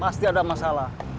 pasti ada masalah